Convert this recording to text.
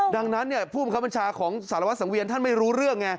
ดังนั้นผู้บังคับบัญชาของสารวัสสังเวียนท่านไม่รู้เรื่องไง